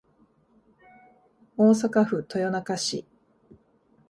大阪府豊中市